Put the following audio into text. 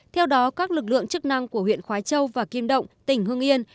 theo đó các lực lượng chức năng của huyện khói châu và kim động tỉnh hưng yên